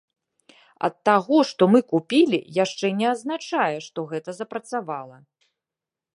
Ад таго, што мы купілі, яшчэ не азначае, што гэта запрацавала.